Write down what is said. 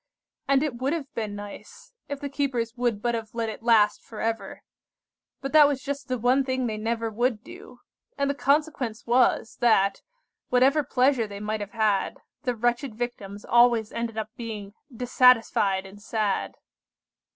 And it would have been nice, if the keepers would but have let it last for ever. But that was just the one thing they never would do, and the consequence was, that, whatever pleasure they might have had, the wretched Victims always ended by being dissatisfied and sad.